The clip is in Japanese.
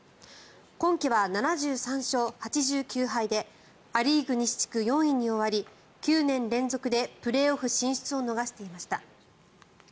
今季は７３勝８９敗でア・リーグ西地区４位に終わり９年連続でプレーオフ進出を逃していました。